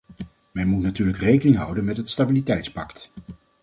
Men moet natuurlijk rekening houden met het stabiliteitspact.